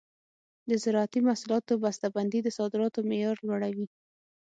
د زراعتي محصولاتو بسته بندي د صادراتو معیار لوړوي.